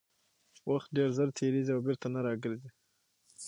وخت ډېر ژر تېرېږي او بېرته نه راګرځي